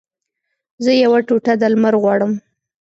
زه یوه ټوټه د لمر غواړم